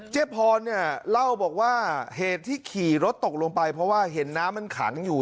พรเนี่ยเล่าบอกว่าเหตุที่ขี่รถตกลงไปเพราะว่าเห็นน้ำมันขังอยู่